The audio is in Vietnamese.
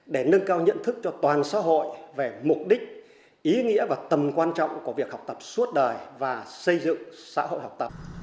để nâng cao nhận thức cho toàn xã hội về mục đích ý nghĩa và tầm quan trọng của việc học tập suốt đời và xây dựng xã hội học tập